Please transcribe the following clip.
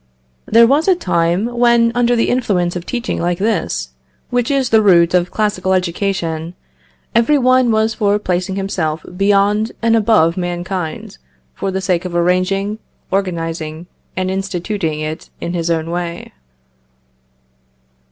There was a time when, under the influence of teaching like this, which is the root of classical education, every one was for placing himself beyond and above mankind, for the sake of arranging, organising, and instituting it in his own way.